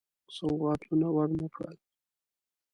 سوغاتونه ورنه کړل.